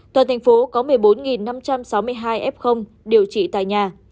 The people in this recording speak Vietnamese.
toàn thành phố có một mươi bốn năm trăm sáu mươi hai f điều trị tại nhà